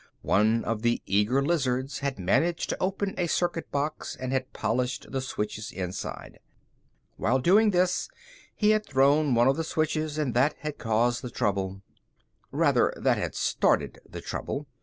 One of the eager lizards had managed to open a circuit box and had polished the switches inside. While doing this, he had thrown one of the switches and that had caused the trouble. Rather, that had started the trouble.